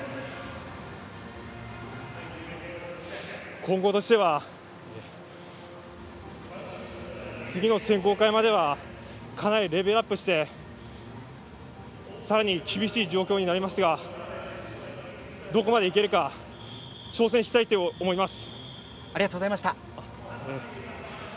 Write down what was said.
今後としては次の選考会まではかなりレベルアップしてさらに厳しい状況になりますがどこまでいけるか挑戦したいと思います。